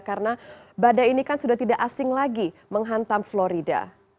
karena badai ini kan sudah tidak asing lagi menghantam florida